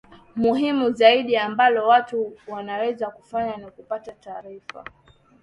muhimu zaidi ambalo watu wanaweza kufanya ni kupata taarifa